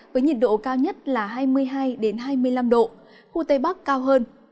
với nhiệt độ cao nhất là hai mươi hai hai mươi năm độ khu tây bắc cao hơn